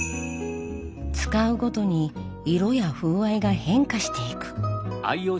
使うごとに色や風合いが変化していく。